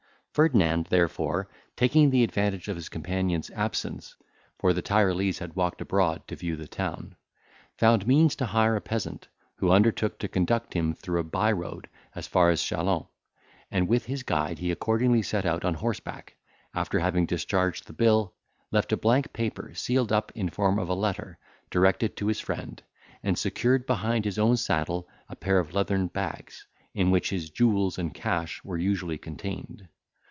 Ferdinand, therefore, taking the advantage of his companion's absence—for the Tyrolese had walked abroad to view the town—found means to hire a peasant, who undertook to conduct him through a by road as far as Chalons, and with his guide he accordingly set out on horseback, after having discharged the bill, left a blank paper sealed up in form of a letter, directed to his friend, and secured behind his own saddle a pair of leathern bags, in which his jewels and cash were usually contained.